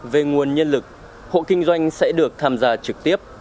về nguồn nhân lực hộ kinh doanh sẽ được tham gia trực tiếp